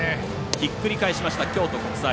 ひっくり返しました京都国際。